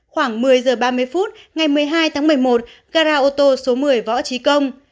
khoảng một mươi h ba mươi phút ngày một mươi hai tháng một mươi một gara ô tô số một mươi võ trí công